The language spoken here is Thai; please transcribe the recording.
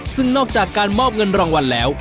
ซึ่งนอกจากการมอบเงินรางวัลแล้ว